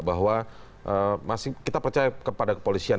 bahwa masih kita percaya kepada kepolisian